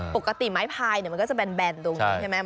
ปกติไม้พายมันก็จะแบนตรงนี้ใช่ไหม